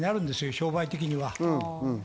商売的には。